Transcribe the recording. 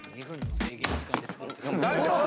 大丈夫？